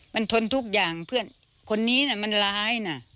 มันทนทุกอย่างเพื่อนคนนี้มันร้ายนะ